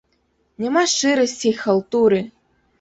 Няма шчырасці й халтуры.